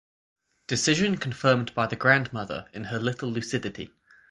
Decision confirmed by the grandmother in her little lucidity.